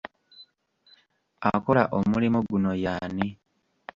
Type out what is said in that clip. Akola omulimo guno ye ani?